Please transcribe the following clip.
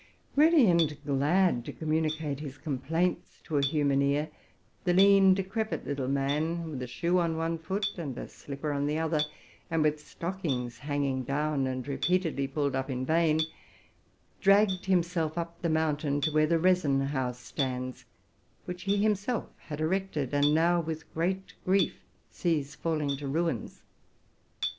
Ready and glad to communicate his complaints to some human ear, the lean, decrepit little man, with a shoe on one foot and a slipper on the other, and with stockings hanging down and repeatedly pulled up in vain, dragged himself up the mountain to where the resin house stands, which he himn self had erected, and now, with great grief, sees falling to ruins.